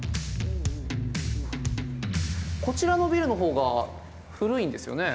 こちらのビルの方が古いんですよね。